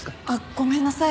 ごめんなさい。